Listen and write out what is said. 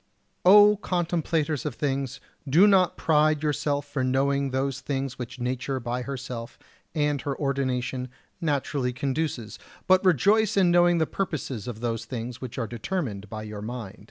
45. O contemplators of things, do not pride yourselves for knowing those things which nature by herself and her ordination naturally conduces; but rejoice in knowing the purposes of those things which are determined by your mind.